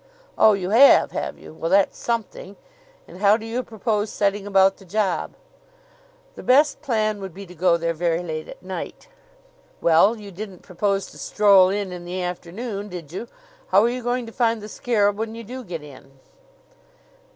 "Oh, you have, have you? Well, that's something. And how do you propose setting about the job?" "The best plan would be to go there very late at night." "Well, you didn't propose to stroll in in the afternoon, did you? How are you going to find the scarab when you do get in?"